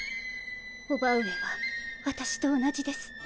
伯母上は私と同じです。